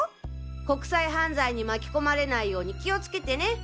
国際犯罪に巻き込まれないように気をつけてね。